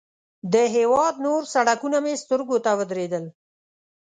د هېواد نور سړکونه مې سترګو ته ودرېدل.